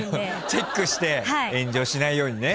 チェックして炎上しないようにね。